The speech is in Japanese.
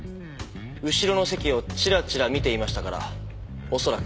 後ろの席をちらちら見ていましたからおそらく。